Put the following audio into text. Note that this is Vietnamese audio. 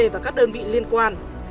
và các đơn vị liên quan